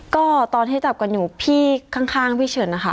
ก็ตอนให้จับกันอยู่พี่ข้างพี่เฉินนะคะ